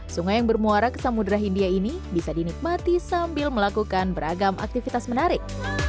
sungai yang bermuara ke samudera hindia ini bisa dinikmati sambil melakukan beragam aktivitas menarik